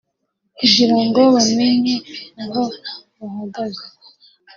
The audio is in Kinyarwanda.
kugirango bamenye aho bahagaze